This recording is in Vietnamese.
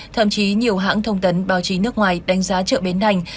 thậm chí nhiều hãng thông tấn báo chí nước ngoài đánh giá chợ bến đành